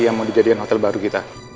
yang mau dijadikan hotel baru kita